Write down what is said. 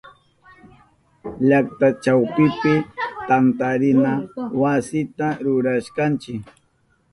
Llakta chawpipi tantarina wasita rurashkanchi.